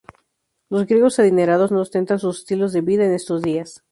Los griegos adinerados no ostentan sus estilos de vida estos días..."